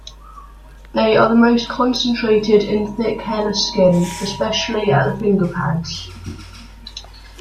They are most concentrated in thick hairless skin, especially at the finger pads.